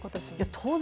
当然。